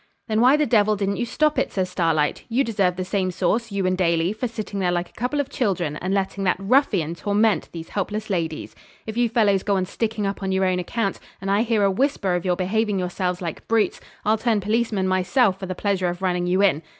'Then why the devil didn't you stop it?' says Starlight. 'You deserve the same sauce, you and Daly, for sitting there like a couple of children, and letting that ruffian torment these helpless ladies. If you fellows go on sticking up on your own account, and I hear a whisper of your behaving yourselves like brutes, I'll turn policeman myself for the pleasure of running you in.